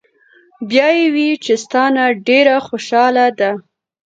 " بیا ئې وې چې " ستا نه ډېره خوشاله ده